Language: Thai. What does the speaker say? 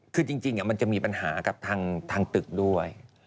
คือจริงมันจะมีปัญหากับทางตึกด้วย